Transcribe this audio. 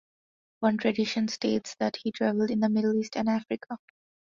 One tradition states that he traveled in the Middle East and Africa.